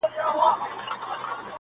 څوک به نو څه رنګه اقبا وویني.